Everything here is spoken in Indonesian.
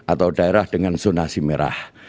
atau daerah dengan zonasi merah